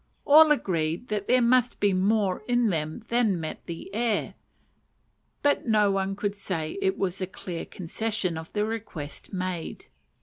All agreed that there must be more in them than met the ear; but no one could say it was a clear concession of the request made.